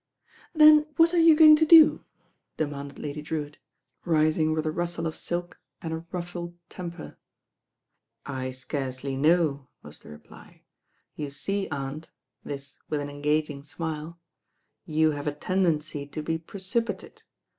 "Then what are you going to do?" demanded Lady Drewitt, rising with a rustle of silk and a ruf* fled temper. "I scarcely know," was the reply. "You see, aunt," this with an enga^ng smile, "you have a ten dency to be precipitate.